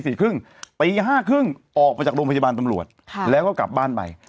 ตี๕๓๐ออกมาจากโรงพยาบาลตำรวจแล้วก็กลับบ้านไป